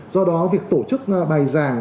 do đó việc tổ chức bài giảng